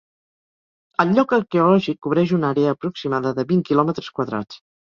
El lloc arqueològic cobreix una àrea aproximada de vint quilòmetres quadrats.